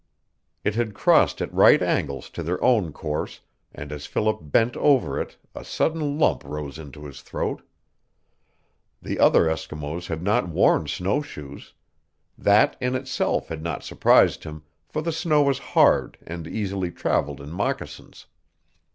It had crossed at right angles to their own course, and as Philip bent over it a sudden lump rose into his throat. The other Eskimos had not worn snowshoes. That in itself had not surprised him, for the snow was hard and easily traveled in moccasins.